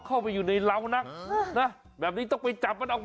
เข้าไปในท้องงูเหลือมแล้ว